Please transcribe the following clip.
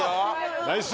ナイス！